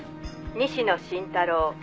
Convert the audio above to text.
「西野伸太郎」